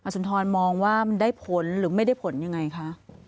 สุนทรมองว่ามันได้ผลหรือไม่ได้ผลยังไงคะ